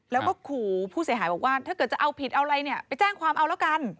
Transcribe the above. แล้วก็ขู่ผู้เสียหายบอกว่าถ้าเกิดจะเอาผิดเอาอะไรเนี่ยไปแจ้งความเอาแล้วกัน